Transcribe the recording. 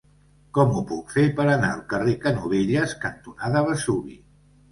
Com ho puc fer per anar al carrer Canovelles cantonada Vesuvi?